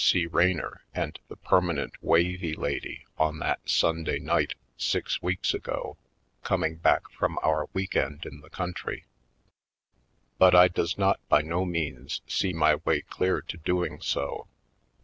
C. Raynor and the permanent wavy lady on that Sunday night six weeks ago, coming back from our week end in the country. But I does not by no means see my way clear to doing so.